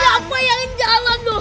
siapa yang jalan loh